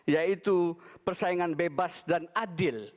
yaitu persaingan bebas dan adil